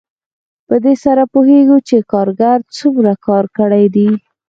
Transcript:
په دې سره پوهېږو چې کارګر څومره کار کړی دی